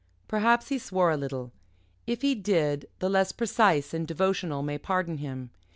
Perhaps he swore a little. If he did, the less precise and devotional may pardon him.